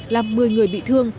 làm một mươi người bị thương